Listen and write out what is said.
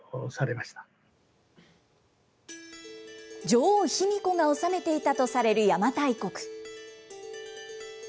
女王、卑弥呼が治めていたとされる邪馬台国。